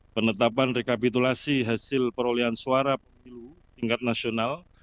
penetapan rekapitulasi hasil perolehan suara pemilu tingkat nasional